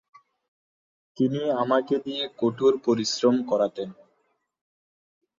তিনি আমাকে দিয়ে কঠোর পরিশ্রম করাতেন।